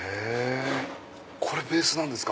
これベースなんですか。